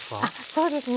そうですね。